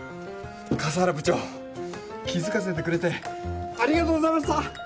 笠原部長気づかせてくれてありがとうございました！